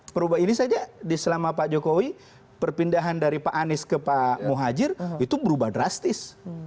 perubahan ini saja di selama pak jokowi perpindahan dari pak anies ke pak muhajir itu berubah drastis